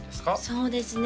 そうですね